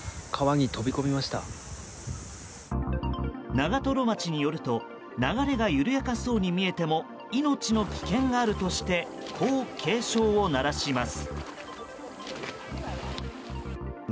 長瀞町によると流れが緩やかそうに見えても命の危険があるとしてこう警鐘を鳴らします。